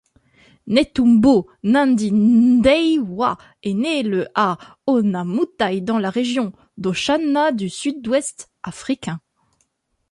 Netumbo Nandi-Ndaitwah est née le à Onamutai dans la région d'Oshana du Sud-Ouest africain.